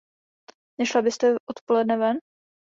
Nešla byste odpoledne ven?